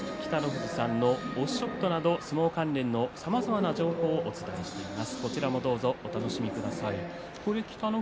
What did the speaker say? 北の富士さんのオフショットなど相撲関連のさまざまな情報をお伝えしています。